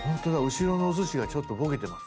後ろのおすしがちょっとボケてます。